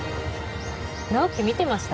直木見てました？